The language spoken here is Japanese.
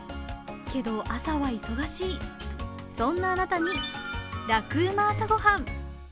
けど、朝は忙しい、そんなあなたに「ラクうま！朝ごはん」。